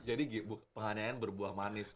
jadi penganeaan berbuah manis